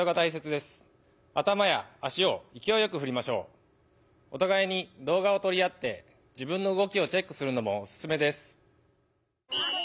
回転技はおたがいにどうがをとり合って自分のうごきをチェックするのもおすすめです。